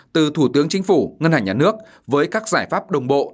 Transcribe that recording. từ thủ tướng chính phủ ngân hàng nhà nước với các giải pháp đồng bộ